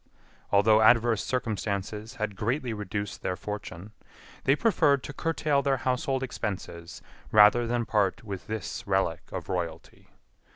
Although adverse circumstances had greatly reduced their fortune, they preferred to curtail their household expenses rather than part with this relic of royalty.